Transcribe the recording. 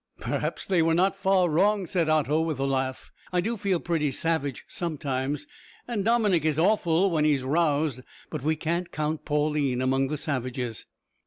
"Perhaps they were not far wrong," said Otto, with a laugh. "I do feel pretty savage sometimes, and Dominick is awful when he is roused; but we can't count Pauline among the savages."